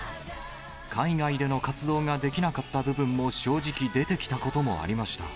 海外での活動ができなかった部分も正直出てきたこともありました。